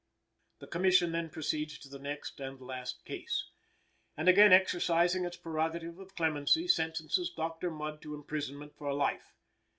The Commission then proceeds to the next and last case, and, again exercising its prerogative of clemency, sentences Dr. Mudd to imprisonment for life.